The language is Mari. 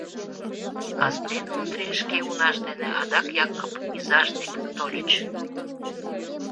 Кастене Ондрий шке унаж дене адак Якып изаж деке тольыч.